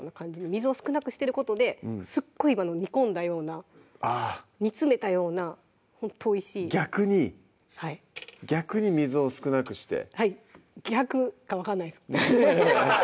水を少なくしてることですごい煮込んだような煮詰めたようなほんとおいしい逆に逆に水を少なくして逆が分かんないです